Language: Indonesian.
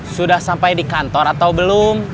sudah sampai di kantor atau belum